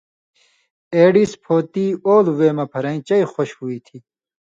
اېڈیس پُھوتیۡ اولو وے مہ پھرَیں چئ خوش ہُوئ تھی۔